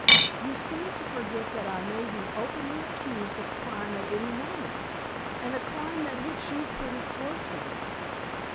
"You seem to forget that I may be openly accused of crime at any moment. And a crime that hits you pretty closely."